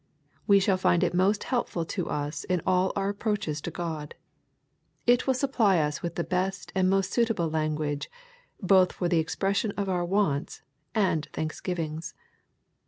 We shall find it most helpful to us in all our ap proaches to God. It will supply us with the best and most suitable language both for the expression of our wants and thanksgivings.